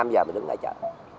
năm giờ mới được ngã chọn